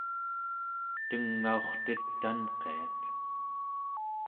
tengaurtet tanqiat